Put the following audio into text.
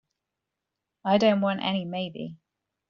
I don't want any maybe.